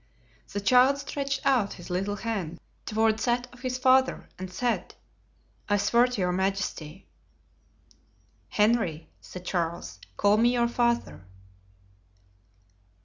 The child stretched out his little hand toward that of his father and said, "I swear to your majesty." "Henry," said Charles, "call me your father."